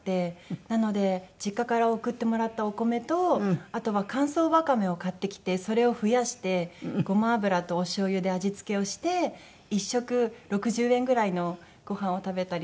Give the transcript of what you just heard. なので実家から送ってもらったお米とあとは乾燥わかめを買ってきてそれを増やしてごま油とおしょうゆで味付けをして１食６０円ぐらいのごはんを食べたりとかしていて。